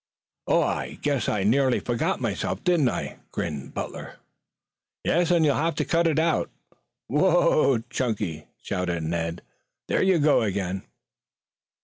"I guess I nearly forgot myself, didn't I?" grinned Butler. "Yes, you'll have to cut it " "Whoa, Chunky!" shouted Ned. "There you go again."